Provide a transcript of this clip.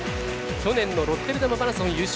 去年のロッテルダムマラソン優勝。